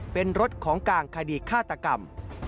เป็นรถของกลางคดีฆาตกรรม